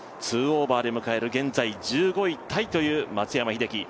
２オーバーで迎える現在１５位タイという松山英樹